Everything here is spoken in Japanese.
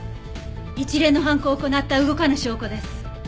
一連の犯行を行った動かぬ証拠です。